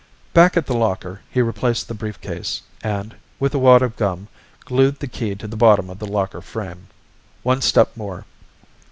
Back at the locker he replaced the briefcase and, with a wad of gum, glued the key to the bottom of the locker frame. One step more.